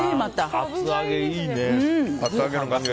厚揚げ、いいね。